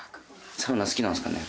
サウナ好きなんですかね